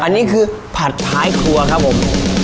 อันนี้คือผัดท้ายครัวครับผม